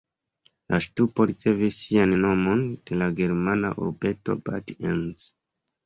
La ŝtupo ricevis sian nomon de la germana urbeto Bad Ems.